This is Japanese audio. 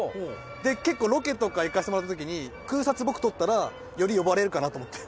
結構ロケとか行かしてもらった時に空撮僕撮ったらより呼ばれるかなと思って。